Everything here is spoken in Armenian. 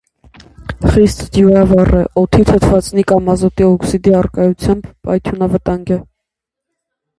Խիստ դյուրավառ է. օդի, թթվածնի կամ ազոտի օքսիդի առկայությամբ պայթյունավտանգ է։